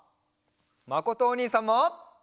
まことおにいさんも！